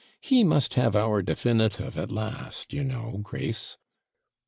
He must have our definitive at last, you know, Grace.'